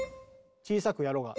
小さくやろうが。